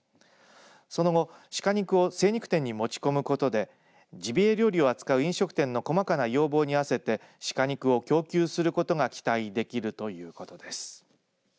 その後、シカ肉を精肉店に持ち込むことでジビエ料理を扱う飲食店の細かな要望に合わせてシカ肉を供給することが期待できるということです。